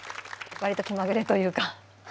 わりと気まぐれというか。